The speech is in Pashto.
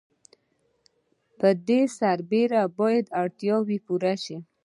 په دې سره باید اړتیاوې پوره شي.